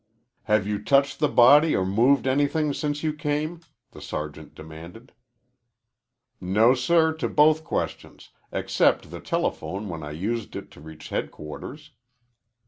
"Have you touched the body or moved anything since you came?" the sergeant demanded. "No, sir, to both questions, except the telephone when I used it to reach headquarters."